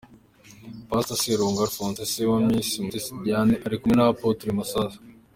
Pastor Seruhungo Alphonse Se wa Miss Umumutesi Diane, ari kumwe na Apotre Masasu.